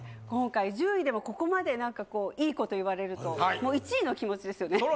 今回１０位でもここまで何かこういいこと言われるともう１位の気持ちですよね。